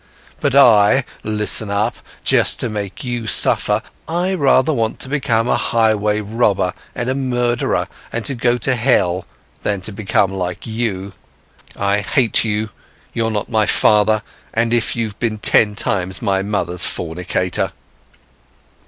But I, listen up, just to make you suffer, I rather want to become a highway robber and murderer, and go to hell, than to become like you! I hate you, you're not my father, and if you've ten times been my mother's fornicator!"